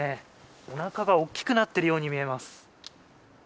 おなかが大きくなっているように見えます。